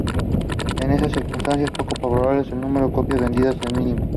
En esas circunstancias poco favorables, el número de copias vendidas es mínimo.